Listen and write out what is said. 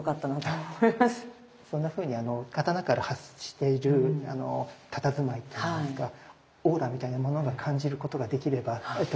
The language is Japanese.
そんなふうに刀から発しているあのたたずまいっていいますかオーラみたいなものが感じることができればとてもいいと思います。